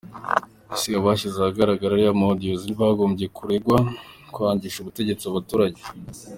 Ese abashyize ahagaragara ariya ma audios ntibagombye kuregwa kwangisha ubutegetsi abaturage?